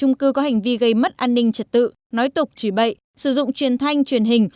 trung cư có hành vi gây mất an ninh trật tự nói tục chỉ bậy sử dụng truyền thanh truyền hình